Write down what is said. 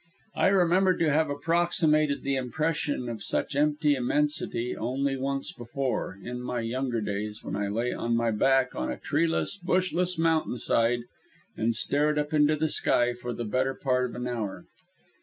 I remember to have approximated the impression of such empty immensity only once before, in my younger days, when I lay on my back on a treeless, bushless mountainside and stared up into the sky for the better part of an hour.